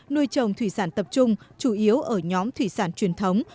nuôi trồng thủy sản tập trung chủ yếu ở nhóm thủy sản truyền thống